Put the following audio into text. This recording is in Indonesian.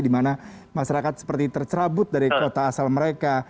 di mana masyarakat seperti tercerabut dari kota asal mereka